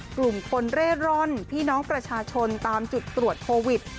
กลุ่มคนเร่ร่อนพี่น้องประชาชนตามจุดตรวจโควิด